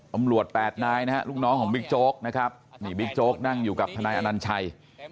ตำรวจ๘นายนะฮะลูกน้องของบิ๊กโจ๊กนะครับนี่บิ๊กโจ๊กนั่งอยู่กับทนายอนัญชัย